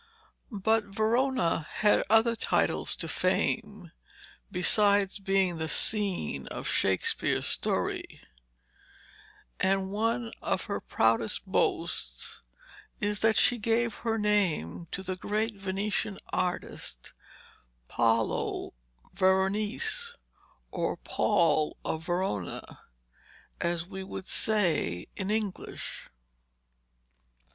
But Verona has other titles to fame besides being the scene of Shakespeare's story, and one of her proudest boasts is that she gave her name to the great Venetian artist Paolo Veronese, or Paul of Verona, as we would say in English.